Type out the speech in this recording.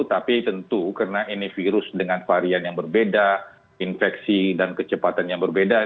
tapi tentu karena ini virus dengan varian yang berbeda infeksi dan kecepatan yang berbeda